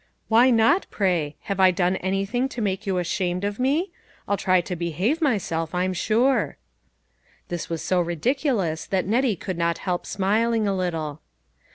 "Why not, pray? Have I done anything to make you ashamed of me ? I'll try to behave myself, I'm sure." This was so ridiculous that Nettie could not help smiling a little.